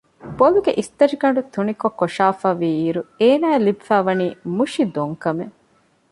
ބޮލުގެ އިސްތަށިގަނޑު ތުނިކޮށް ކޮށާފައިވީއިރު އޭނާއަށް ލިބިފައިވަނީ މުށި ދޮންކަމެއް